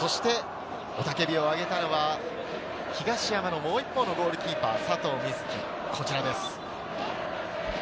雄たけびをあげたのは、東山のもう一方のゴールキーパー・佐藤瑞起です。